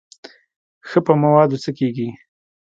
ښه په موادو څه کېږي.